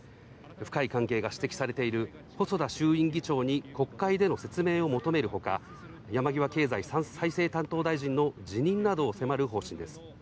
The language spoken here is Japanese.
深い関係が指摘されている細田衆院議長に国会での説明を求めるほか、山際経済再生担当大臣の辞任などを迫る方針です。